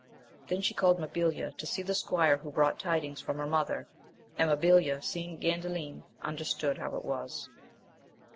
Then she called Mabilia to see the squire who' brought tidings from her mother; and Mabilia, seeing Gaudalin, under stood how it was.